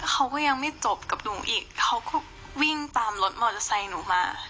เขาก็ยังไม่จบกับหนูอีกเขาก็วิ่งตามรถมอเตอร์ไซค์หนูมา